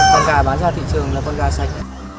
còn gà bán ra thị trường là con gà sạch